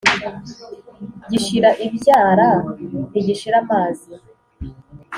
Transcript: Gishira ibyara ntigishira amazi.